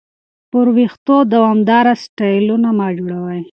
پر وېښتو دوامداره سټایلونه مه جوړوئ.